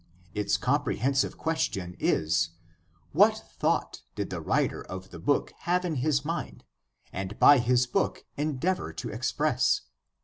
Its comprehensive question is, What thought did the writer of the book have in his mind and by his book endeavor to express